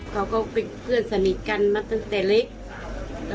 เขาก็เป็นเพื่อนสนิทกันมาตั้งแต่เล็ก